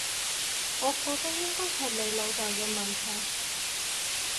我覺得應該係你老豆嘅問題